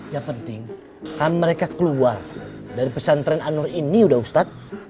yang penting kan mereka keluar dari pesantren anur ini sudah ustadz